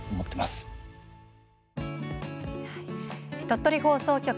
鳥取放送局